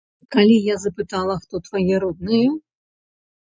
Калі я запытала, хто твае родныя?